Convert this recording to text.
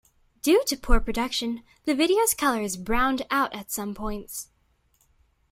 Due to poor production, the video's colour is 'browned out' at some points.